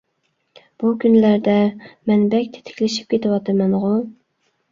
بۇ كۈنلەردە مەن بەك تېتىكلىشىپ كېتىۋاتىمەنغۇ!